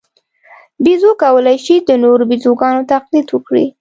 بیزو کولای شي د نورو بیزوګانو تقلید وکړي.